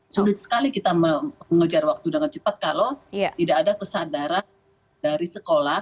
sulit sekali kita mengejar waktu dengan cepat kalau tidak ada kesadaran dari sekolah